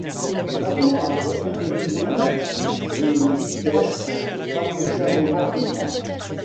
Les bateaux avaient un rayon d'action et une vitesse en surface légèrement plus grand.